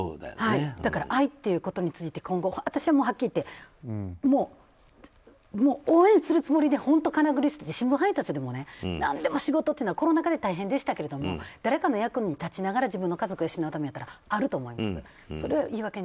愛っていうことについて今後、私ははっきり言って応援するつもりで本当、かなぐり捨てて新聞配達手でも何でも何でも仕事はコロナ禍で大変でしたけど誰かの役に立ちながら自分の家族を養うためだったらあると思います。